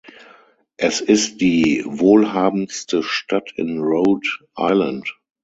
Es ist die wohlhabendste Stadt in Rhode Island.